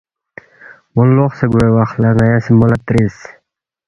مو لوقسے گوے وخ لہ ن٘یا سی مو لہ ترِس